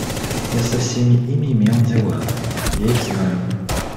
Я со всеми ими имел дела, я их знаю.